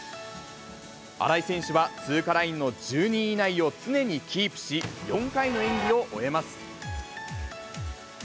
荒井選手は通過ラインの１２位以内を常にキープし、４回の演技を終えます。